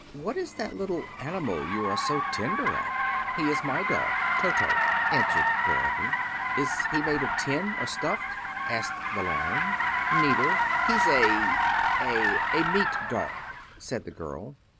What is that little animal you are so tender of?" "He is my dog, Toto," answered Dorothy. "Is he made of tin, or stuffed?" asked the Lion. "Neither. He's a—a—a meat dog," said the girl.